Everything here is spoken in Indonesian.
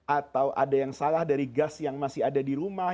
atau ada yang salah dari gas yang masih ada di rumah